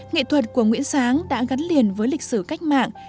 nghệ thuật của nguyễn sáng đã gắn liền với lịch sử cách mạng